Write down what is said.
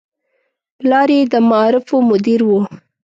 پلار یې د معارفو مدیر و.